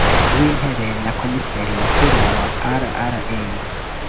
w intebe na komiseri mukuru wa rra